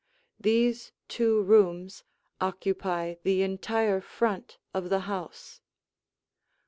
These two rooms occupy the entire front of the house.